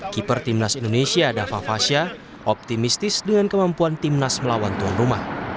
keeper timnas indonesia dava fasha optimistis dengan kemampuan timnas melawan tuan rumah